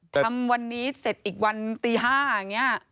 ทำวันนี้เสร็จอีกวันตี๕อย่างนี้